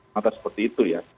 mata seperti itu ya